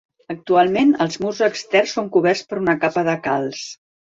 Actualment els murs externs són coberts per una capa de calç.